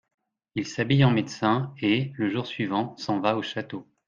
Il s'habille en médecin, et, le jour suivant, s'en va au château.